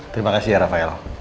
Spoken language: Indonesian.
terima kasih ya rafael